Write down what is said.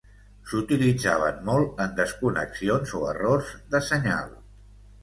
S'utilitzaven molt en desconnexions o errors de senyal.